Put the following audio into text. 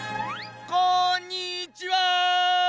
こんにちは！